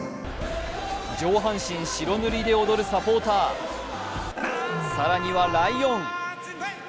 上半身白塗りで踊るサポーター、更にはライオン。